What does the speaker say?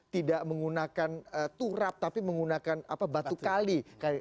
tidak menggunakan turap tapi menggunakan batu kali